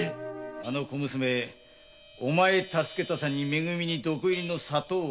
あの娘お前助けたさに「め組」に毒入りの砂糖を届けている。